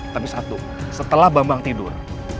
tapi satu setelah bambang tidur